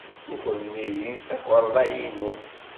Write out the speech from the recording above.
Ukren-iyi takarḍa-inu.